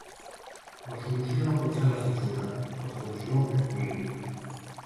La solució no pot ser la censura, la solució és política.